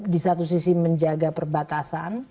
di satu sisi menjaga perbatasan